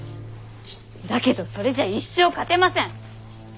だけどそれじゃ一生勝てません！